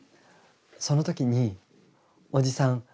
その時におじさん